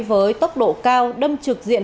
với tốc độ cao đâm trực diện